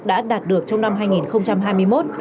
đã đạt được trong năm hai nghìn hai mươi một